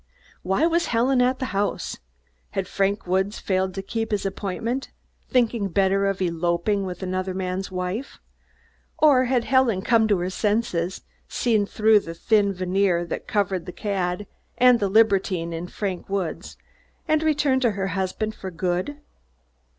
Why was Helen at the house? Had Frank Woods failed to keep his appointment, thinking better of eloping with another man's wife; or, had Helen come to her senses, seen through the thin veneer that covered the cad and the libertine in Frank Woods and returned to her husband for good?